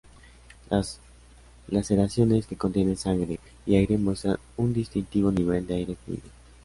Las laceraciones que contienen sangre y aire muestran un distintivo nivel de aire-fluido.